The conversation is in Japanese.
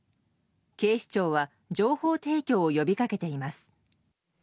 警視庁は情報提供を呼び掛けています。